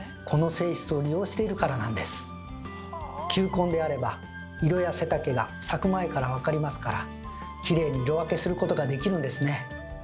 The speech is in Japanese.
球根であれば色や背丈が咲く前から分かりますからきれいに色分けすることができるんですね。